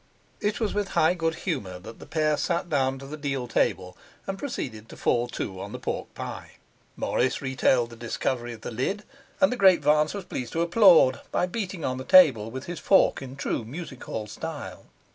It was with high good humour that the pair sat down to the deal table, and proceeded to fall to on the pork pie. Morris retailed the discovery of the lid, and the Great Vance was pleased to applaud by beating on the table with his fork in true music hall style.